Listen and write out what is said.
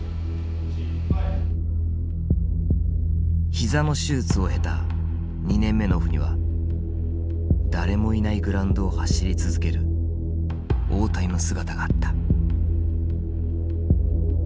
膝の手術を経た２年目のオフには誰もいないグラウンドを走り続ける大谷の姿があった。